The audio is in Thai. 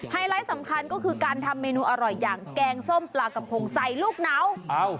ไลท์สำคัญก็คือการทำเมนูอร่อยอย่างแกงส้มปลากระพงใส่ลูกหนาว